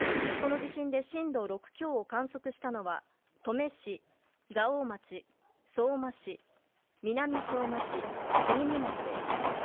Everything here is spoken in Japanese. この地震で震度６強を観測したのは登米市、蔵王町、相馬市南相馬市、国見町です。